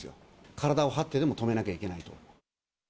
体を張ってでも止めなきゃいけない。